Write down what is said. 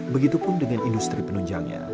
begitupun dengan industri penunjangnya